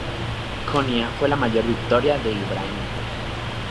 Konya fue la mayor victoria de Ibrahim.